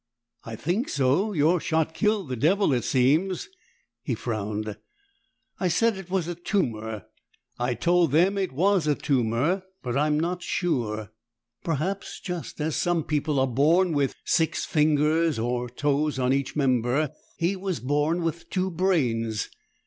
"I think so. Your shot killed the devil, it seems." He frowned. "I said it was a tumor; I told them it was a tumor, but I'm not sure. Perhaps, just as some people are born with six fingers or toes on each member, he was born with two brains.